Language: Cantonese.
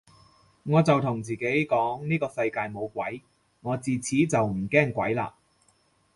我就同自己講呢個世界冇鬼，我自此就唔驚鬼嘞